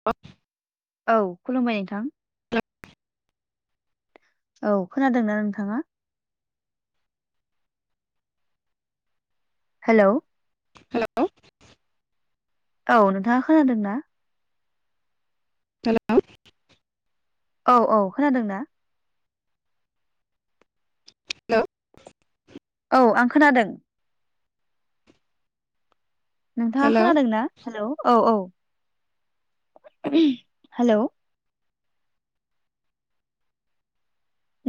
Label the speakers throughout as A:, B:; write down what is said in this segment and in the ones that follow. A: [inaudible]
B: औ खुलुमबाय नोंथां।
A: हेल'
B: औ खोनादोंना नोंथाङा? हेल'
A: हेल'
B: औ नोंथाङा खोनादों ना
A: हेल'
B: औ औ खोनादों ना
A: हेल'
B: औ आं खोनादों नोंथाङा
A: हेल'
B: खोनादोंनाा हेलौ औ औ हेलौ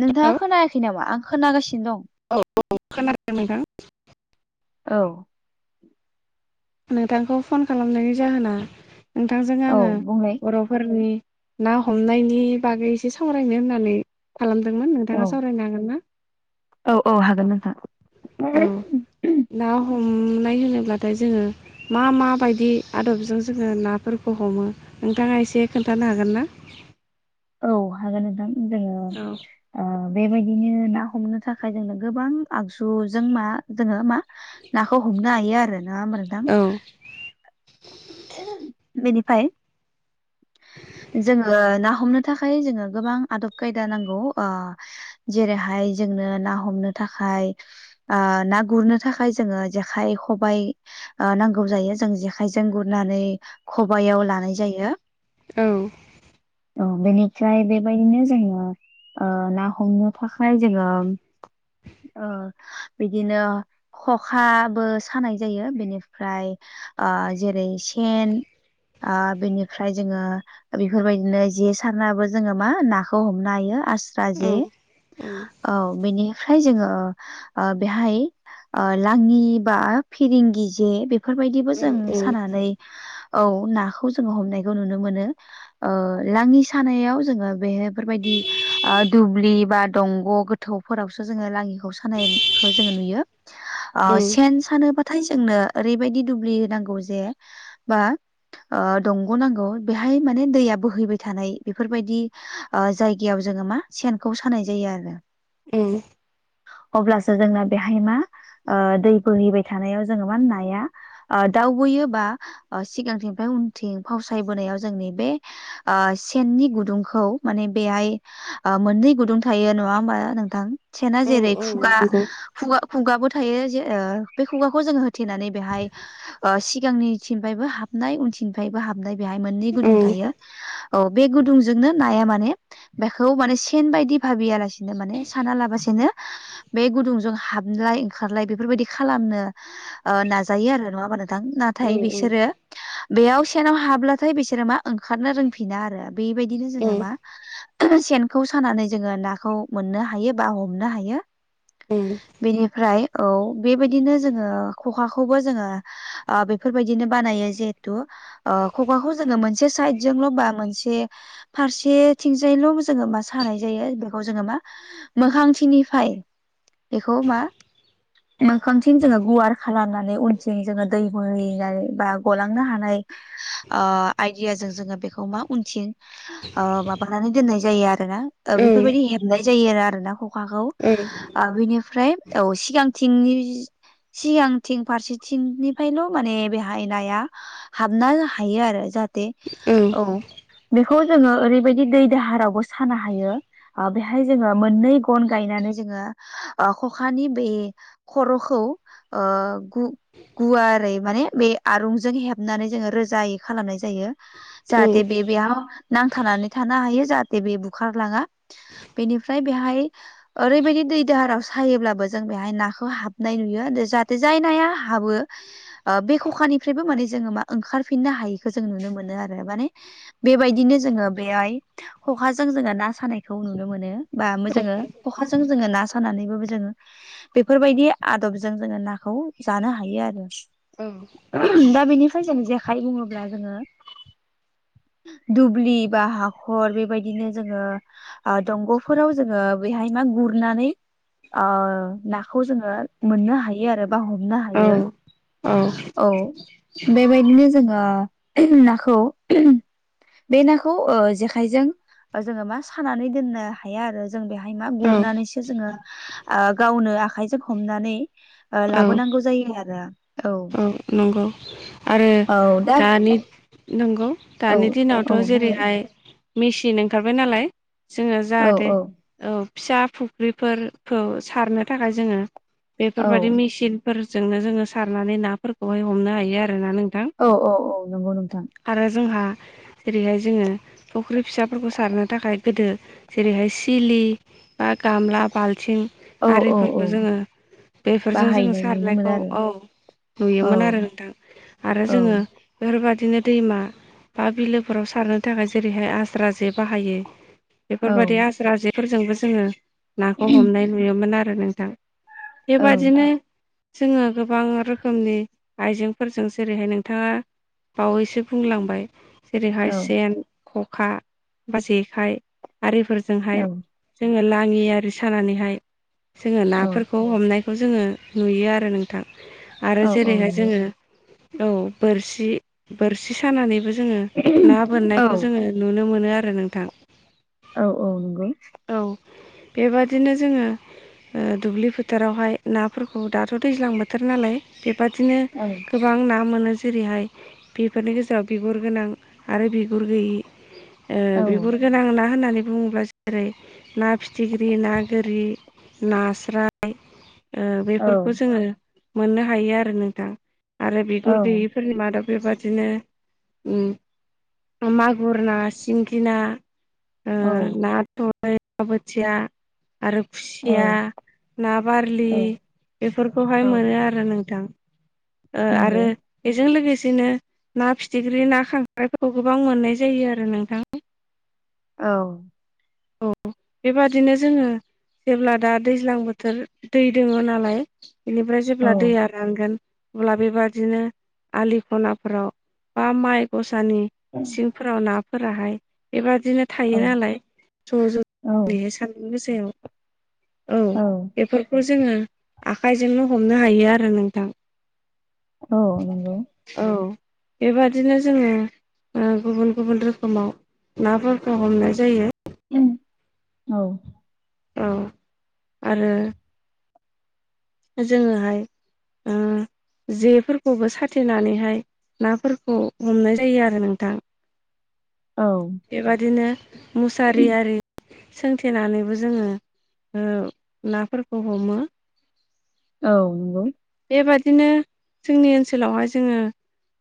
B: नोंथाङा
A: हेल'
B: खोनायाखै नामा आं खोनागासिनो दं
A: औ औ खोनादों नोंथां
B: औ
A: नोंथांखौ फन खालामनायनि जाहोना नोंथांजों
B: औ
A: आङो
B: बुंलाय
A: बर'फोरनि ना हमनायनि बागै एसे सावरायनो होननानै खालामदोंमोन
B: औ
A: नोंथाङा सावरायनो हागोन ना
B: औ औ हागोन नोंथां
A: औ ना हमनाय होनोब्लाथाय जोङो मा माबायदि आदबजों जोङो नाफोरखौ हमो नोंथाङा एसे खोन्थानो हागोन ना
B: औ हागोन नोंदां जोङो
A: औ
B: ओ बेबायदिनो ना हमनो थाखाय जोंनो गोबां आगजुजों मा जोङो मा नाखौ हमनो हायो आरो नङा होनबा नोंथां
A: औ
B: [inaudible] बेनिफ्राय जोङो ना हमनो थाखाय जोङो गोबां आदब खायदा नांगौ ओ जेरैहाय जोंनो ना हमनो थाखाय ओ ना गुरनो थाखाय जोङो जेखाइ खबाइ नांगौ जायो जों जेखायजों गुरनानै खबाइयाव लानाय जायो
A: औ
B: बेनिफ्राय बेबायदिनो जोङो ओ ना हमनो थाखाय जोङो औ बिदिनो खखाबो सानाय जायो बेनिफ्राय जेरै सेन आ बिनिफाय ओमफ्राय जोङो बेफोरबायदिनो जे सारनाबो जोङो मा नाखौ हमनो हायो आस्रा
A: औ
B: राजे औ बेनिफ्राय जोङो ओ बेहाय लाङि बा फिरिंगि जे बे बेफोरबायदिबो
A: औ
B: जों सानानै औ नाखौ जोङो हमनाय नुनो मोनो ओ लाङि सानायाव जोङो बेफोरबायदि दुब्लि बा दंग' गोथौफोरावसो जोङो लाङिखौ खानायखौ जों नुयो ओ
A: औ
B: सेन सानोबाथाय जोंनो ओरैबायदि दुब्लि नांगौ जे बा ओ दं ग'नांगौ बेहाय माने दैया बोहैबाय थानाय बेफोरबायदि जायगायाव जोङो मा सेनखौ सानाय जायो आरो
A: उ
B: अब्लासो जोंना बेहाय मा ओ दै बोहैबाय थानायाव जोङो मा नाया दावबोयो बा सिगांथिंनिफ्राय उनथिं फावसायबोनायाव जोंनि बे ओ सेननि गुदुंखौ माने बेहाय मोननै गुुंदं थायो नङा होमबा नोंथां सेना
A: औ
B: जेरै
A: औ
B: खुगा
A: नंगौ
B: खुगा खुगाबो थायो जे बे खुगाखौ जोङो होथेनानै बेहाय ओ सिगांनिसिमफ्रायबो हाबनाय उनथिनिफ्रायबो हाबनाय बेहाय मोननै
A: औ
B: गुदुं थायो औ बे गुदुंजोंनो नाया माने बेखौ माने सेन बायदि भाबियालासिनो माने साना लाबसिनो बे गुदुंजों हाबलाय ओंखारलाय बेफोरबायदि खालामनो ओ नाजायो आरो नङा मानो थां
A: औ
B: नाथाय
A: औ
B: बिसोरो बेयाव सेनाव हाब्लाथाय बिसोरो मा ओंखारनो रोंफिना आरो। बेबायदिनो जोङो
A: औ
B: मा सेनखौ सानानै जोङो नाखौ मोननो हायो बा हमनो हायो।
A: उम।
B: बेनिफ्राय औ बेबायदिनो जोङो खखाखौबो जोङो ओ बेफोरबायदिनो बानायो जिहेथु ओ खुगाखौ जोङो मोनसे साइदजोंल' बा मोनसे फारसेथिंजायल' जोङो मा सानाय जायो बेखौ जोङो मा मोखांथिनिफ्राय बेखौ मा मोखांथिं जोङो गुवार खालामनानै उनथिं जोङो दै बोहैनाय बा गलांनो हानाय। ओ आइदियाजों जोङो बेखौ मा उनथिं ओ माबानानै दोननाय जायो आरो [unintelligible] बेफोरबायदि हेबनाय जायो आरो आरो ना खखाखौ ओ बिनिफ्राय औ सिगांथिंनि सिगांथिं फारसेथिंनिफ्रायल' माने बेहाय नाया हाबनाल हायो आरो जाहाथे औ बेखौ जोङो ओरैबायदि दै दाहारावबो सानो हायो। ओ बेहाय जोङो मोननै गन गायनानै जोङो ओ खखानि बे खर'खौ ओ गु गुवारै माने बे आरुंजों हे हनानै जोङो रोजायै खालामनाय जायो जाहाथे बे बेयाव नांथानानै थानो हायो जाहाथे बे बुखारलाङा बेनिफ्राय बेहाय ओरैबायदि दै दाहाराव सायोब्लाबो जों बेहाय नाखौ हाबनाय नुयो जाहाथे जाय नाया हाबो ओ बे ख'खानिफ्रायबो माने जोङो मा ओंखारफिननो हायिखौ जों नुनो मोनो आरो माने बेबायदिनो जोङो बेहाय खखाजों जोङो ना सानायखौ नुनो मोनो। बा मोजोङो कखाजों जोङो ना सानानैबोबो जोङो बेफोरबायदि आदबजों जोङो नाखौ जानो हायो आरो।
A: औ।
B: दा बेनिफ्राय जों जेखाइ बुङोब्ला जोङो दुब्लि बा हाखर बेबायदिनो जोङो ओ दंग'फोराव जोङो बेहाय मा गुरनानै ओ नाखौ जोङो मोननो हायो आरो बा हमनो हायो औ। बेबायदिनो जोङो नाखौ बे नाखौ ओ जेखायजों जोङो मा सानानै दोननो हाया आरो। जों बेहाय मा
A: औ
B: गुरनानैसो जोङो ओ गावनो आखायजों हमनानै ओ लाबोनांगौ जायो आरो औ।
A: नंगौ आरो
B: औ दा
A: दानि नंगौ।
B: औ
A: दानि दिनावथ'
B: औ बुंलाय
A: जेरैहाय मेचिन ओंखारबाय नालाय जोङो
B: औ
A: जाहाथे
B: औ
A: औ फिसा फुख्रिफोरखौ सारनो थाखाय जोङो
B: औ
A: बेफोरबायदि मेसिन फोरजोंनो जोङो सारनानै नाफोरखौहाय हमनो हायो आरोना नोंथां।
B: औ औ औ नंगौ नोंथां
A: आरो जोंहा जेरैहाय जोङो फुख्रि फिसाफोरखौ सारनो थाखाय गोदो जेरैहाय सिलि बा गामला, बालथिं
B: औ औ औ
A: आरिफोरखौ जोङो बेफोरजों जोङो
B: बाहायनाय नुनो मोनो
A: सारनायखौ
B: आरो
A: औ
B: औ
A: नुयोमोन आरो नोंथां आरो
B: औ
A: जोङो बेफोरबायदिनो दैमा बा बिलोफोराव सारनो थाखाय जेरैहाय आज्रा जे बाहायो
B: औ
A: बेफोरबायदि आस्राजेफोरजोंबो जोङो नाखौ हमनाय नुयोमोन आरो नोंथां। बेबादिनो जोङो गोबां रो रोखोमनि आइजेंफोरजों जेरैहाय नोंथाङा बावैसो बुंलांबाय
B: औ
A: जेरैहाय सेन, खखा बा जेखाइ आरिफोरजोंहाय जोङो लांङि आरि सानानैहाय जोङो
B: औ
A: नाफोर खौ हमनायखौ जोङो नुयो आरो नोंथां। आरो
B: औ औ
A: जेरैहाय
B: नंगौ
A: जोङो, औ बोरसि बोरसि सानानैबो जोङो ना
B: औ
A: बोननायखौ जोङो नुनो मोनो आरो नोंथां।
B: औ औ नंगौ।
A: औ, बेबादिनो जोङो ओ दुब्लि फोथारावहाय नाफोरखौ दाथ' दैज्लां बोथोर नालाय बेबादिनो
B: औ
A: गोबां ना मोनो जेरैहाय बेफोरनि गेजेराव बिगुर गोनां आरो बिगुर गैयि ओ बिगुर गोनां ना होननानै बुङोबा जों जेरै ना फिथिख्रि ना गोरि नास्राय ओ
B: औ
A: बेफोरखौ जोङो मोननो हायो आरो नोंथां आरो बिगुर गैयै फोरनि मादाव बेबादिनो उम मागुर ना सिंगि ना ओ
B: औ
A: ना थ बोथिया आरो खुसिया,
B: औ
A: ना बारलि
B: औ
A: बेफोरखौहाय
B: औ
A: मोनो आरो नों थां, ओ
B: नंगौ
A: आरो बेजों लोगोसेनो ना फिथिख्रि ना खांख्रायफोरखौ गोबां मोननाय जायो आरो नोंथां।
B: औ।
A: औ बेबादिनो जोङो जेब्ला दा दैज्लां बोथोर दै दोङ नालाय बेनिफ्राय
B: औ
A: जेब्ला दैया रानगोन अब्ला बेबादिनो आलि खनाफोराव बा माइ गसानि सिंफोराव नाफोराहाय बेबादिनो थायो
B: औ
A: नालाय ज'
B: औ
A: ज'रैहाय सानदुं गोसायाव औ बेफोर खौ जोङो आखाइजोंनो हमनो हायो आरो नोंथां।
B: औ नंगौ।
A: औ। बेबादिनो जोङो ओ गुबुन गुबुन रोखोमाव नाफोरखौ हमनाय जायो।
B: ओम औ।
A: औ आरो जोङोहाय ओ जेफोरखौबो साथेनानैहाय नाफोरखौ हमनाय जायो आरो नोंथां। [inaudible]
B: औ।
A: बेबादिनो मुसारि आरि सोंथेनानैबो जोङो ओ नाफोरखौ हमो।
B: औ नंगौ।
A: बेबादिनो जोंनि ओनसोलावहाय जोङो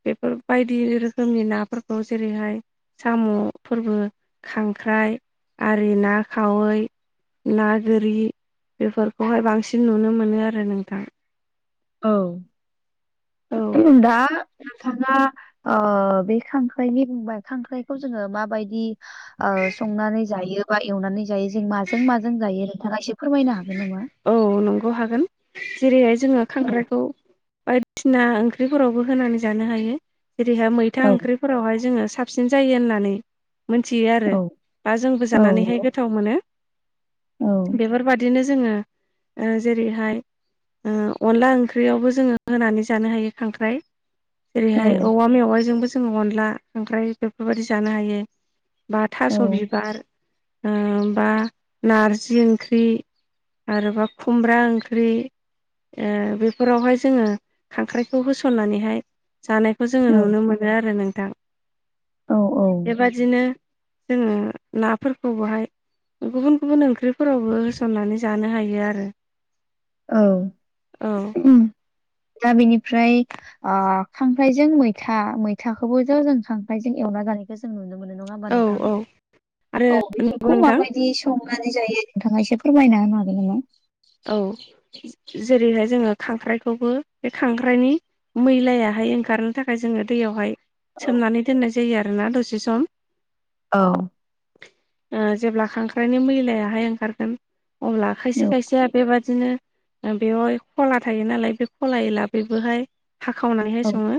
A: बेफोर बायदि रोखोमनि नाफोरखौ जेरैहाय साम' फोरबो खांख्राइ आरि ना खावै ना गोरि बेफोरखौहाय बांसिन नुनो मोनो आरो नोंथां।
B: औ
A: औ
B: दा नोंथाङा ओ बे खांख्राइनि बुंबाय खांख्राइखौ जोङो माबायदि ओ संनानै जायो बा एवनानै जायो जों माजों माजों जायो नोंथाङा एसे फोरमायनो हागोन नामा?
A: औ नंगौ हागोन। जेरैहाय जोङो
B: औ
A: खांख्राइखौ बायदिसिना ओंख्रिफोरावबो होनानै जानो हायो जेरैहाय मैथा
B: औ
A: ओंख्रि फोरावहाय जोङो साबसिन जायो होननानै मोनथियो आरो
B: औ
A: बा जोंबो
B: औ
A: जानानै हाय गोथाव मोनो।
B: औ
A: बेफोरबायदिनो जोङो ओ जेरैहाय ओ अनला ओंख्रियावबो जोङो होनानै जानो हायो खांख्राइ
B: औ
A: जेरैहाय औवा मेवाइजोंबो जोङो अनला खांख्राइ बेफोरबायदि जानो हायो। बा थास' बिबार बा नारजि ओंख्रि आरोबा खुमब्रा ओंख्रि। बेफोरावहाय जोङो खांख्राइखौ होसननानैहाय जानायखौ जोङो नुनो मोनो। बि आरो नोंथां।
B: औ
A: बेबादिनो जोङो नाफोरखौ बहाय गुबुन गुबुन ओंख्रिफोरावबो होसननानै जानो हायो आरो।
B: औ
A: औ
B: दा बेनिफ्राय खांख्राइजों मैथा मैथाखौबो ज' जों खांख्राइजों एवना जानाय बेखौ जों नुनो मोनो नङा होमबा
A: औ
B: नोंथां?
A: औ आरो
B: औ
A: नंगौ
B: बेफोरखौ
A: नोंथां
B: माबायदि संनानै जायो नोंथाङा एसे फोरमायना होनो हागोन ना?
A: औ जेरैहाय जोङो खांख्राइखौबो बे खांख्राइनि मैलायाहाय ओंखारनो थाखाय जोङो दैयावहाय
B: औ
A: सोमनानै दोननाय जायो आरोना दसे सम।
B: औ।
A: जेब्ला खांख्राइनि मैलायाहाय ओंखारगोन अब्ला खायसे
B: औ
A: खायसे बेदिनो बेवहाय खला थायो नालाय बे खलायै लाबोबोहाय हाखावनानैहाय सङो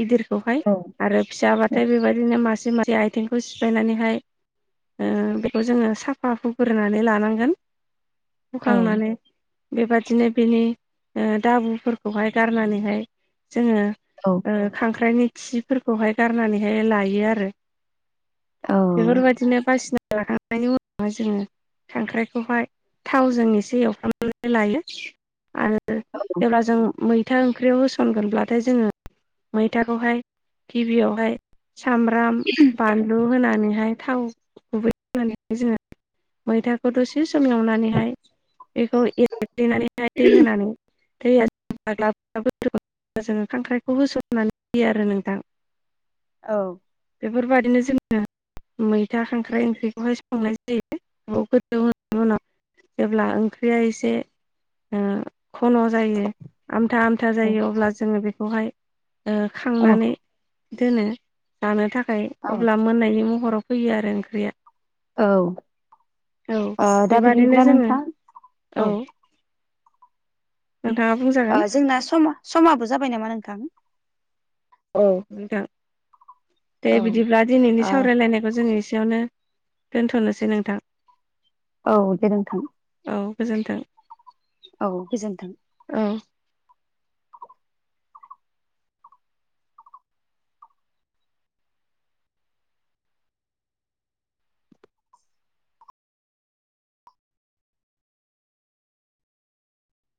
A: गिदिरखौहाय।
B: औ
A: आरो फिसाब्लाथाय बेबायदिनो मासे मासे आइथिंखौ सिफायनानैहाय बेखौ जोङो साफा हुग्रोनानै लानांगोन,
B: औ
A: हुखांनानै बेबादिनो बेनि दाबुफोरखौहाय गारनानैहाय जोङो
B: औ।
A: ओ खांख्राइनि खिफोरखौहाय गारनानैहाय लायो आरो
B: औ
A: बेफोरबायदिनो बासिना लाखांनानै बेनि उनावहाय जोङो खांख्राइखौहाय थावजों एसे एवफ्रामनानै एवफ्रामनानै लायो आरो
B: [inaudible]
A: जेब्ला जों मैथा ओंख्रियाव होसनगोनब्लाथाय जोङो मैथाखौहाय गिबियावहाय सामब्राम बानलु होनानैहाय थाव गुबै होनानैहाय जोङो मैथाखौ दसे सम एवनानैहाय बेखौ एरग्लिनानैहाय दै होनानै दैया ग्ला-ग्ला गोदौग्लांङोब्ला जोङो खांख्राइखौ होसननानै होयो आरो नोंथां। [inaudible]
B: औ।
A: बेफोरबादिनो जोङो मैथा खांख्राइ ओंख्रिखौहाय संनाय जायो गोदौ होनायनि उनाव। जेब्ला ओंख्रिया एसे ओ खन' जायो आमथा आमथा जायो अब्ला जोङो बेखौहाय ओ
B: औ
A: खांनानै दोनो जानो थाखाय अब्ला मोननायनि महराव होयो आरो ओंख्रिया
B: औ
A: औ
B: दा
A: बेबादिनो
B: बिदिब्ला
A: जोंओ
B: नोंथां
A: औ। नोंथांङा बुंजा
B: ओ जोंना सम समाबो जाबाय नामा नोंथां?
A: औ नोंथां दे
B: औ
A: बिदिब्ला दिनैनि सावरायलायनायखौ जों एसेयावनो दोनथ'नोसै नोंथां।
B: औ जेरोंथों।
A: औ गोजोन्थों।
B: औ गोजोन्थों।
A: औ।